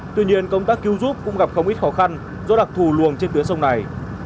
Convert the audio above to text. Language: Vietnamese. tuy nhiên công tác cứu giúp cũng gặp không ít khó khăn do đặc thù luồng trên tuyến sông này